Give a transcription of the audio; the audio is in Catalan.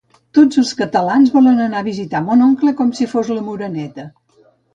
Tots els catalans volen anar a visitar mon oncle com si fos la Moreneta